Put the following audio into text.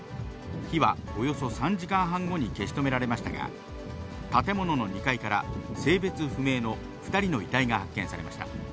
火はおよそ３時間半後に消し止められましたが、建物の２階から、性別不明の２人の遺体が発見されました。